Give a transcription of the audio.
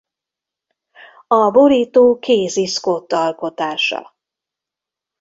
A borító Casey Scott alkotása.